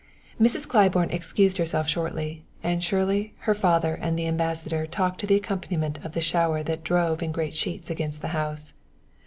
Mrs. Claiborne excused herself shortly, and Shirley, her father and the Ambassador talked to the accompaniment of the shower that drove in great sheets against the house.